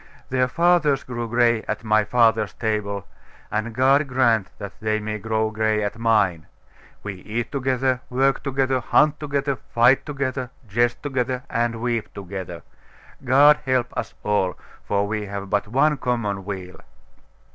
Their fathers grew gray at my father's table, and God grant that they may grow gray at mine! We eat together, work together, hunt together, fight together, jest together, and weep together. God help us all! for we have but one common weal.